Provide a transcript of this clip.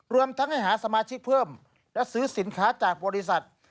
รวมทั้งให้หาสมาชิกเพิ่มและซื้อสินค้าจากบริษัท